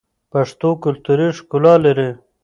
پښتو کلتوري ښکلا لري.